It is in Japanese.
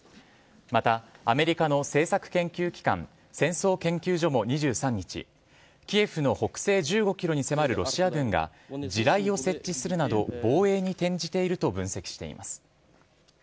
また、アメリカの政策研究機関戦争研究所も２３日キエフの北西１５ｋｍに迫るロシア軍が地雷を設置するなど防衛に転じていると分析しています。